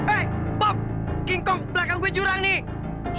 eh pom kenggong belakang gue jurang nih